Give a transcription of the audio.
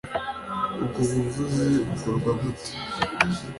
ubwo buvuzi bukorwa gute